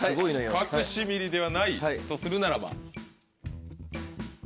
ファクシミリではないとするならば。